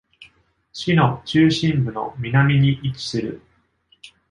市の中心部の南に位置する。